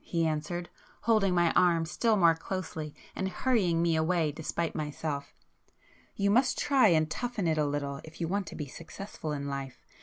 he answered, holding my arm still more closely and hurrying me away despite myself—"You must try and toughen it a little if you want to be successful in life.